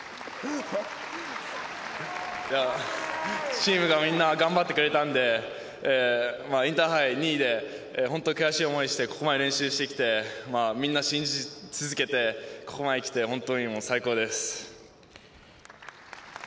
チームがみんな頑張ってくれたんでインターハイ２位で本当に悔しい思いをしてここまで練習してきてみんな信じ続けて、ここまで来て本当に最高です。